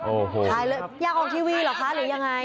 โอ้โหถ่ายเลยอยากออกทีวีเหรอคะหรือยังไง